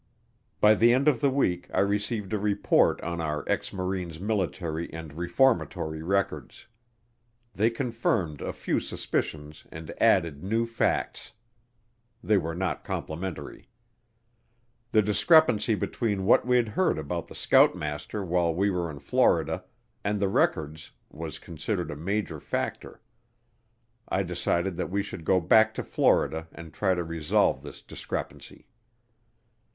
By the end of the week I received a report on our ex Marine's military and reformatory records. They confirmed a few suspicions and added new facts. They were not complimentary. The discrepancy between what we'd heard about the scoutmaster while we were in Florida and the records was considered a major factor. I decided that we should go back to Florida and try to resolve this discrepancy.